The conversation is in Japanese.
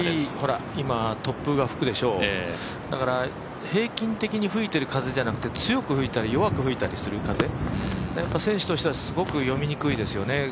今、突風が吹くでしょうだから、平均的に吹いてる風じゃなくて強く吹いたり弱く吹いたりする風選手としてはすごく読みにくいですよね。